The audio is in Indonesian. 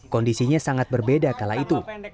kondisinya sangat berbeda kala itu